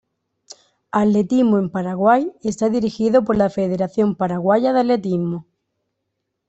Atletismo en Paraguay está dirigido por la Federación Paraguaya de Atletismo.